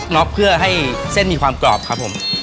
็อกเพื่อให้เส้นมีความกรอบครับผม